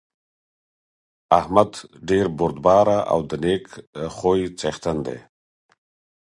احمد ډېر بردباره او د نېک خوی څېښتن دی.